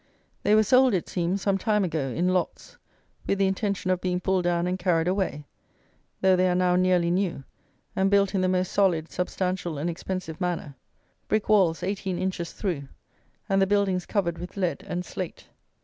They were sold, it seems, some time ago, in lots, with the intention of being pulled down and carried away, though they are now nearly new, and built in the most solid, substantial, and expensive manner; brick walls eighteen inches through, and the buildings covered with lead and slate.